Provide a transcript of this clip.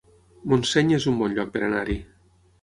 Montseny es un bon lloc per anar-hi